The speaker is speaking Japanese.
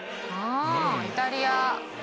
あイタリア。